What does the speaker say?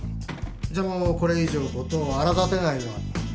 じゃあもうこれ以上ことを荒立てないように。